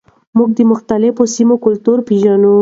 موږ د مختلفو سیمو کلتور پیژنو.